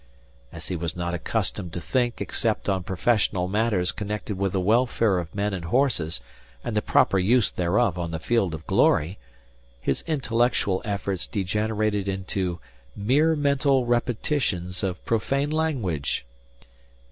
As he was not accustomed to think except on professional matters connected with the welfare of men and horses and the proper use thereof on the field of glory, his intellectual efforts degenerated into mere mental repetitions of profane language.